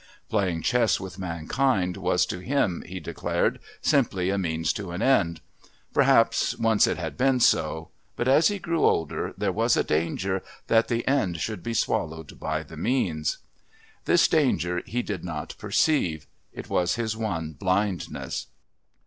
Playing chess with mankind was to him, he declared, simply a means to an end. Perhaps once it had been so. But, as he grew older, there was a danger that the end should be swallowed by the means. This danger he did not perceive; it was his one blindness.